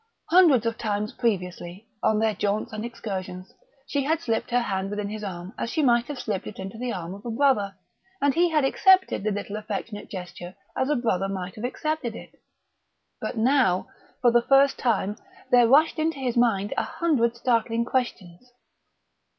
Hundreds of times previously, on their jaunts and excursions, she had slipped her hand within his arm as she might have slipped it into the arm of a brother, and he had accepted the little affectionate gesture as a brother might have accepted it. But now, for the first time, there rushed into his mind a hundred startling questions.